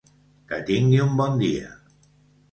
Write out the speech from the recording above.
Que tingui un bon dia.